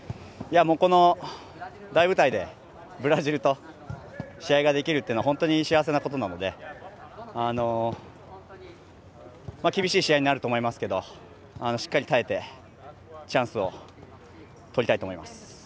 この大舞台で、ブラジルと試合ができるというのは本当に幸せなことなので厳しい試合になると思いますがしっかり耐えてチャンスをとりたいと思います。